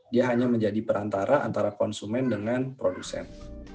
dia hanya menjadi perantara antara konsumen dengan produsen